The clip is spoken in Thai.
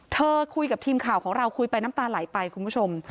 คุยกับทีมข่าวของเราคุยไปน้ำตาไหลไปคุณผู้ชม